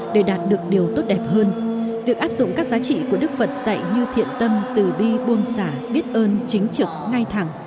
và làm điều tốt đẹp hơn việc áp dụng các giá trị của đức phật dạy như thiện tâm tử bi buông xả biết ơn chính trực ngay thẳng